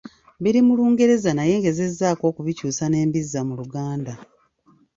Biri mu Lungereza naye ngezezzaako okubikyusa ne mbizza mu Luganda.